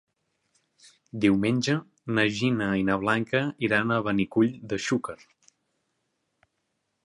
Diumenge na Gina i na Blanca iran a Benicull de Xúquer.